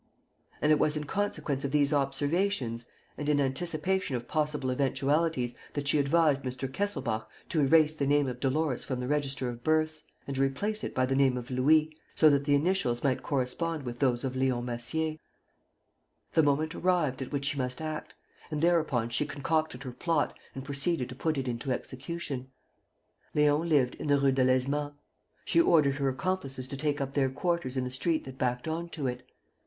And it was in consequence of these observations and in anticipation of possible eventualities that she advised Mr. Kesselbach to erase the name of Dolores from the register of births and to replace it by the name of Louis, so that the initials might correspond with those of Leon Massier. ... The moment arrived at which she must act; and thereupon she concocted her plot and proceeded to put it into execution. Leon lived in the Rue Delaizement. She ordered her accomplices to take up their quarters in the street that backed on to it.